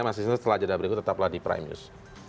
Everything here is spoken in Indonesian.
mas isnu setelah jadwal berikut tetaplah di prime news